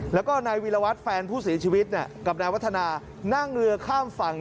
แล้วก็นายวีรวัตรแฟนผู้เสียชีวิตกับนายวัฒนานั่งเรือข้ามฝั่ง